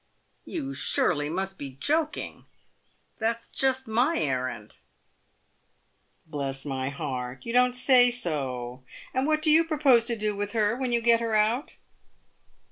"You surely must be joking — that's just my errand." " Bless my heart, you don't say so ! And what do you propose to do with her when you get her out